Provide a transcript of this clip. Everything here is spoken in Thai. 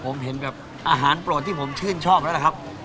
ผมเห็นอาหารปลดที่ชื่นชอบแล้วครับ